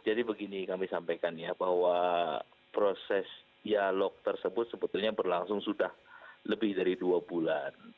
jadi begini kami sampaikan ya bahwa proses dialog tersebut sebetulnya berlangsung sudah lebih dari dua bulan